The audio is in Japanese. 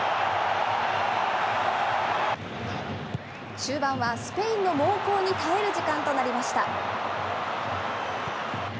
終盤はスペインの猛攻に耐える時間となりました。